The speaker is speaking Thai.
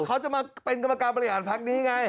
กรรมการบริหารภักดิ์นี้ไง